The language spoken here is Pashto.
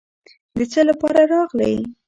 د څه لپاره راغلې.